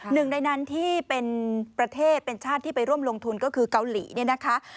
หนึ่งในนั้นที่เป็นประเทศเป็นชาติที่ไปร่วมลงทุนก็คือเกาหลีเนี่ยนะคะ